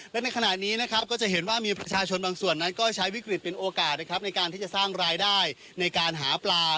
และในขณะนี้นะครับก็จะเห็นว่ามีประชาชนบางส่วนนั้นก็ใช้วิกฤตเป็นโอกาสนะครับในการที่จะสร้างรายได้ในการหาปลา